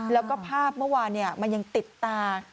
แล้วก็ภาพเมื่อวานมันยังติดตา